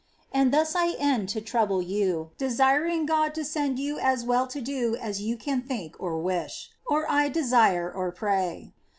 And iliua I end to trouble you. dealriDg God m send yoii aa well la do p jou con think Of wish, or 1 deuce or pray.